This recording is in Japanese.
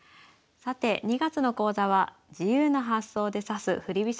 さて２月の講座は自由な発想で指す振り